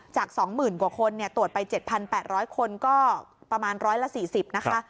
๒๐๐๐กว่าคนตรวจไป๗๘๐๐คนก็ประมาณ๑๔๐นะคะ